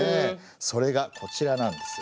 それがこちらなんです。